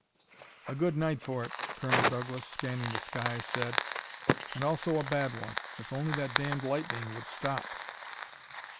"A good night for it," Colonel Douglas, scanning the sky, said, "and also a bad one. If only that damned lightning would stop!"